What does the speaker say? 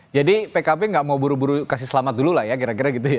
jadi pkb gak mau buru buru kasih selamat dulu lah ya kira kira gitu ya